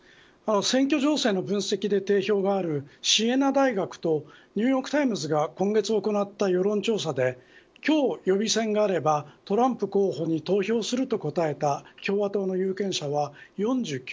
選挙情勢の分析で定評があるシエナ大学とニューヨーク・タイムズが今月行った世論調査で今日予備選があればトランプ候補に投票すると答えた共和党の有権者は４９％。